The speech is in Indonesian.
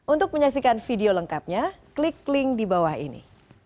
untuk menyaksikan video lengkapnya klik link di bawah ini